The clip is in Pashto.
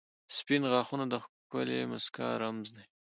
• سپین غاښونه د ښکلې مسکا رمز دی.